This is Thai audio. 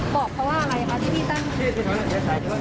บอกเขาว่าอะไรคะที่พี่ตั้งค่ะ